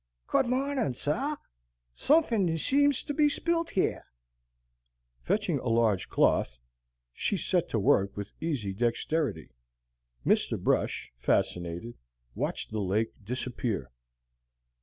"Good mawnin', sah. Somefin' seems to be spilt heah." Fetching a large cloth, she set to work with easy dexterity. Mr. Brush, fascinated, watched the lake disappear.